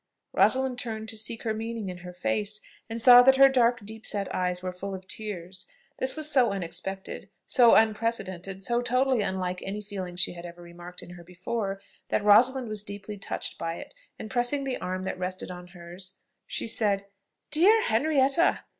Rosalind turned to seek her meaning in her face, and saw that her dark deep set eyes were full of tears. This was so unexpected, so unprecedented, so totally unlike any feeling she had ever remarked in her before, that Rosalind was deeply touched by it, and, pressing the arm that rested on hers, she said: "Dear Henrietta!